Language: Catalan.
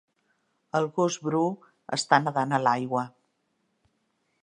El gos bru està nedant a l'aigua